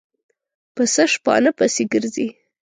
پسه شپانه پسې ګرځي.